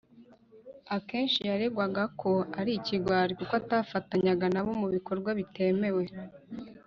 . Akenshi yaregwaga ko ari ikigwari kuko atafatanyaga na bo mu bikorwa bitemewe